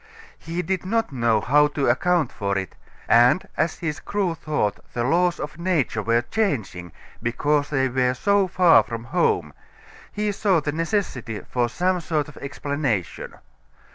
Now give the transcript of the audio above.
He did not know how to account for it, and as his crew thought the laws of nature were changing because they were so far from home he saw the necessity for some sort of explanation.